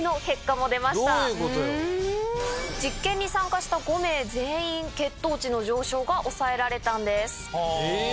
実験に参加した５名全員血糖値の上昇が抑えられたんです。